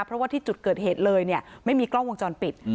เพราะว่าที่จุดเกิดเหตุเลยเนี่ยไม่มีกล้องวงจรปิด